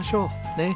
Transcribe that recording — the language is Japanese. ねっ！